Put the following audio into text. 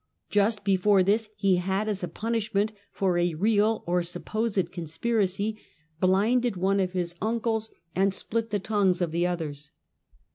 Just before this ie had, as a punishment for a real or supposed con piracy, blinded one of his uncles and split the tongues >f the others.